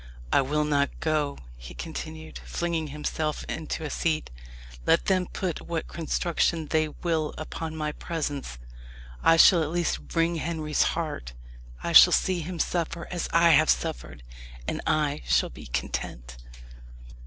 "I will not go," he continued, flinging himself into a seat. "Let them put what construction they will upon my presence. I shall at least wring Henry's heart. I shall see him suffer as I have suffered; and I shall be content."